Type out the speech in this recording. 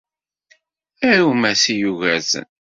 Arum-as i Yugurten!